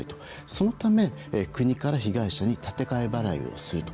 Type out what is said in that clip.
そのため、国から被害者に立て替え払いをすると。